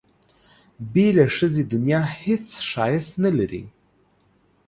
بې له ښځې دنیا هېڅ ښایست نه لري.